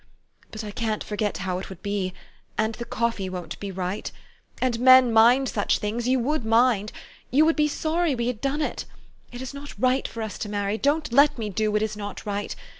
But I can't forget how it would be and the coffee wouldn't be right. And men mind such things you would mind. You would be sorry we had done it. It is not right for us to marry. Don't let me do what is not right